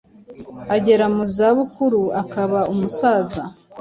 agera mu za bukuru akaba umusaza